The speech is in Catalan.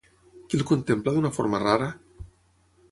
Qui el contempla d'una forma rara?